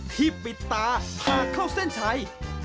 ที่ปิดตาพาเข้าเส้นชัย